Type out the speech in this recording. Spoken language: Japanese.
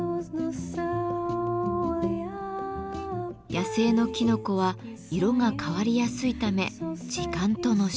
野生のきのこは色が変わりやすいため時間との勝負。